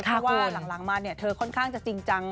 เพราะว่าหลังมาเธอค่อนข้างจะจริงจัง